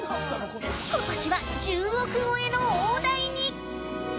今年は１０億超えの大台に。